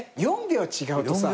４秒違うとさ。